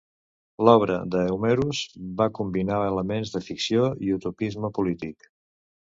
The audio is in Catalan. L'obra d'Eumerus va combinar elements de ficció i utopisme polític.